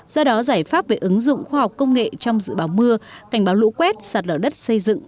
do đó giải pháp về ứng dụng khoa học công nghệ trong dự báo mưa cảnh báo lũ quét sạt lở đất xây dựng